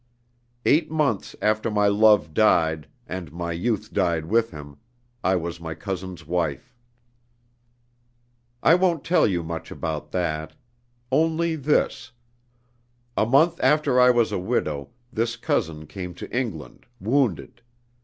Eight months after my love died, and my youth died with him, I was my cousin's wife. "I won't tell you much about that. Only this: a month after I was a widow, this cousin came to England, wounded.